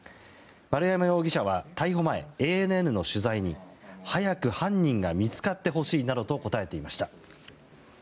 丸山容疑者は逮捕前、ＡＮＮの取材に早く犯人が見つかってほしいなどと答えていました。